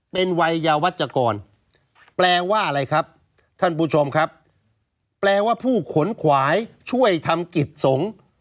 เป็นวัยยาวัชกรแปลว่าอะไรครับท่านผู้ชมครับแปลว่าผู้ขนขวายช่วยทำกิจสงฆ์